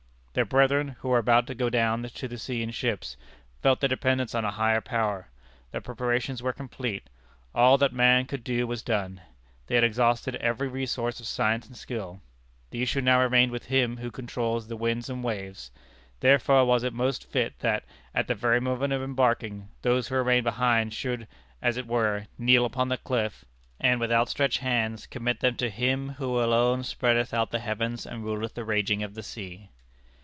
Their brethren, who were about to go down to the sea in ships, felt their dependence on a Higher Power. Their preparations were complete. All that man could do was done. They had exhausted every resource of science and skill. The issue now remained with Him who controls the winds and waves. Therefore was it most fit that, at the very moment of embarking, those who remained behind should, as it were, kneel upon the cliff, and, with outstretched hands, commit them to Him who alone spreadeth out the heavens and ruleth the raging of the sea.